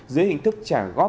dưới hình thức trả góp cả gốc